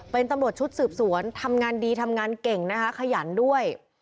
เป็นตำรวจชุดสืบสวนทำงานดีทำงานเก่งนะคะขยันด้วย